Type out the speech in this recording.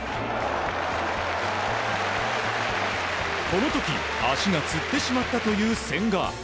この時足がつってしまったという千賀。